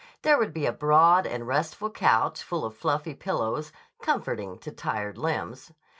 There would be a broad and restful couch full of fluffy pillows, comforting to tired limbs.